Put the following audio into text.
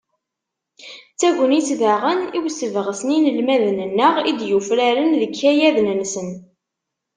D tagnit, daɣen, i usebɣes n yinelmaden-nneɣ i d-yufraren deg yikayaden-nsen.